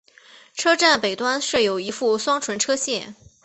车站北端设有一副双存车线。